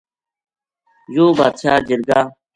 یوہ بادشاہ جرگا